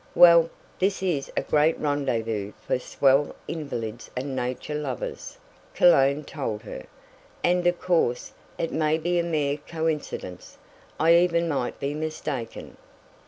"Well, this is a great rendezvous for swell invalids and nature lovers," Cologne told her, "and of course, it may be a mere coincidence. I even might be mistaken."